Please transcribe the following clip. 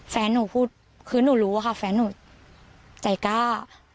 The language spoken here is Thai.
แฟนหนูพูดคือหนูรู้อะค่ะแฟนหนูใจกล้า